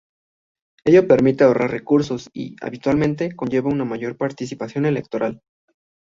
Ello permite ahorrar recursos y, habitualmente, conlleva una mayor participación electoral.